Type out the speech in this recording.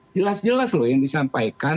jelas jelas loh yang disampaikan